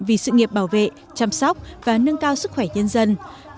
vì sự nghiệp bảo vệ chăm sóc và nâng cao sức khỏe nhân dân